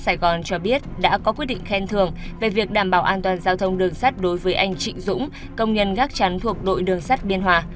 sài gòn cho biết đã có quyết định khen thường về việc đảm bảo an toàn giao thông đường sắt đối với anh trịnh dũng công nhân gác chắn thuộc đội đường sắt biên hòa